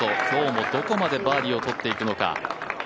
今日氏もどこまでバーディーを取っていくのか？